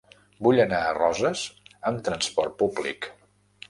Vull anar a Roses amb trasport públic.